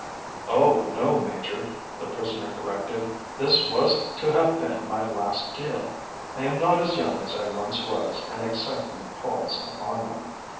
"Oh, no, Major," the prisoner corrected. "This was to have been my last deal. I am not as young as I once was and excitement palls upon one.